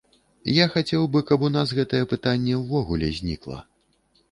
Я хацеў бы, каб у нас гэтае пытанне ўвогуле знікла.